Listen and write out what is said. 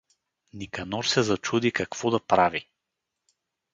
Никанор се зачуди какво да прави.